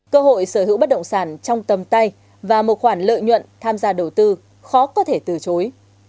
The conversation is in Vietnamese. cơ hội sở hữu bất động sản trong tầm tay và một khoản lợi nhuận tham gia đầu tư khó có thể từ chối